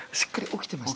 起きてます。